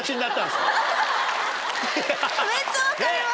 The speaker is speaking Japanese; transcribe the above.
めっちゃ分かります。